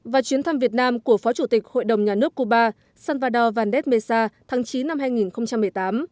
và chuyến thăm việt nam của phó chủ tịch hội đồng nhà nước cuba salvador valdes mesa tháng chín năm hai nghìn một mươi tám